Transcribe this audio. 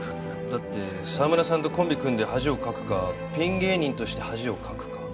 だって澤村さんとコンビ組んで恥をかくかピン芸人として恥をかくか？